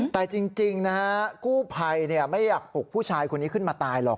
แต่จริงนะฮะกู้ภัยไม่อยากปลุกผู้ชายคนนี้ขึ้นมาตายหรอก